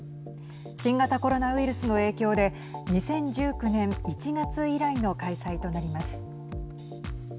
新型コロナウイルスの影響で２０１９年１月以来の開催となります。